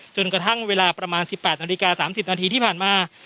จนกระทั่งเวลาประมาณสิบแปดนาฬิกาสามสิบนาทีที่ผ่านมา